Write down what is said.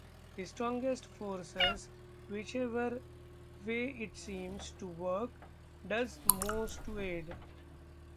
The strongest forces, whichever way it seems to work, does most to aid.